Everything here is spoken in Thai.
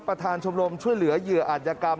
ประธานชมรมช่วยเหลือเหยื่ออาจยกรรม